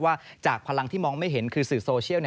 ว่าจากพลังที่มองไม่เห็นคือสื่อโซเชียล